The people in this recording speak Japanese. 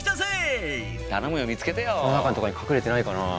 この中とかに隠れてないかなあ。